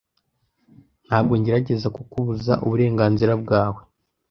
Ntabwo ngerageza kukubuza uburenganzira bwawe.